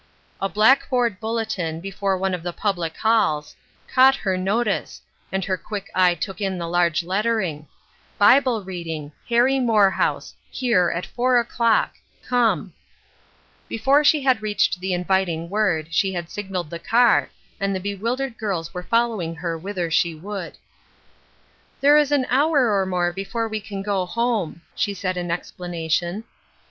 A blackboard bulletin, before one of the public ^That Wliich SatLjleth Not:' 843 halls, caught her notice, and her quick eje took in the large lettering :" Bible Reading ! Harry Morehouse ! Here^ at Four 0^ clock ! Come !'' Before she had reached the inviting word, she had signaled the car, and the bewildered girla were following her whither she would. " There is an hour or more before we can go home," she said in explanation.